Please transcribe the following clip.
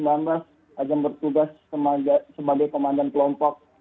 akan bertugas sebagai komandan kelompok